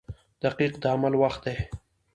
• دقیقه د عمل وخت دی.